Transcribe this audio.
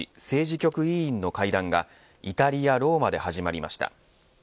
政治局員の会談がイタリアローマで始まりました。